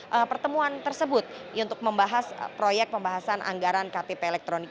dan juga pertemuan tersebut untuk membahas proyek pembahasan anggaran ktp elektronik